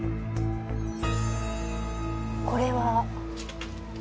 これは。